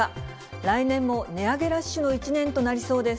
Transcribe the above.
来年も値上げラッシュの一年となりそうです。